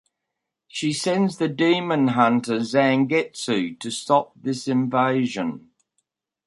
She sends the demon hunter Zangetsu to stop this invasion.